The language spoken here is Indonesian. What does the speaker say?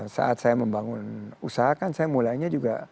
saat saya membangun usaha kan saya mulainya juga